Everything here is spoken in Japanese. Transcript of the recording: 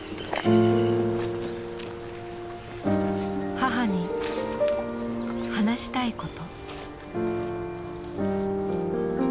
母に話したいこと。